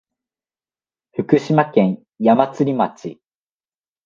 福島県矢祭町